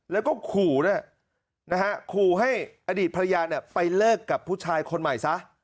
แล้วก็ขู่ด้วยนะฮะขู่ให้อดีตภรรยาไปเลิกกับผู้ชายคนใหม่ซะ